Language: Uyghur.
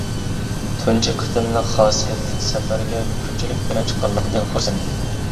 تۇنجى قېتىملىق خاسىيەتلىك سەپەرگە كۆپچىلىك بىلەن چىققانلىقىمدىن خۇرسەنمەن.